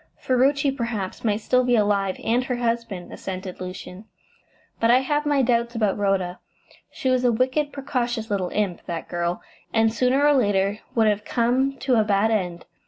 "Ferruci, perhaps, might still be alive, and her husband," assented Lucian, "but I have my doubts about Rhoda. She was a wicked, precocious little imp, that girl, and sooner or later would have come to a bad end.